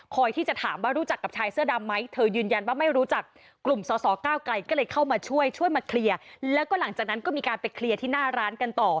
ที่จะถามว่ารู้จักกับชายเสื้อดำไหมเธอยืนยันว่าไม่รู้จักกลุ่มสอสอก้าวไกลก็เลยเข้ามาช่วยช่วยมาเคลียร์แล้วก็หลังจากนั้นก็มีการไปเคลียร์ที่หน้าร้านกันต่อ